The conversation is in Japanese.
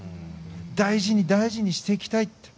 大事に大事にしていきたいって。